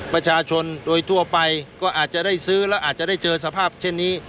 ประชาชนโดยทั่วไปก็อาจจะได้ซื้อแล้วอาจจะได้เจอสภาพเช่นนี้